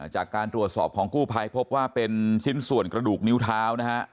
จากการตรวจสอบของกู้ภัยพบว่าเป็นชิ้นส่วนกระดูกนิ้วเท้านะฮะ